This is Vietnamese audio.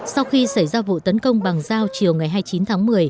sau khi xảy ra vụ tấn công bằng dao chiều ngày hai mươi chín tháng một mươi